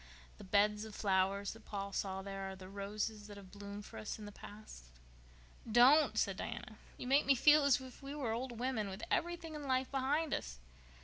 The beds of flowers that Paul saw there are the roses that have bloomed for us in the past?" "Don't!" said Diana. "You make me feel as if we were old women with everything in life behind us."